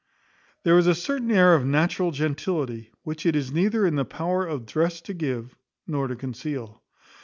There is a certain air of natural gentility, which it is neither in the power of dress to give, nor to conceal.